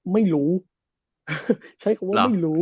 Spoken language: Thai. ไม่รู้ใช้คำว่าไม่รู้